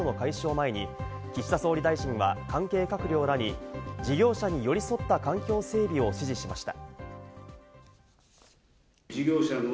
前に、岸田総理大臣は関係閣僚らに、事業者に寄り添った環境整備を指示しました。